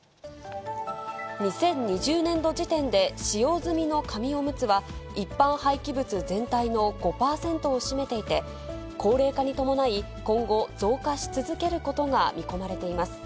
２０２０年度時点で使用済みの紙おむつは、一般廃棄物全体の５％を占めていて、高齢化に伴い、今後、増加し続けることが見込まれています。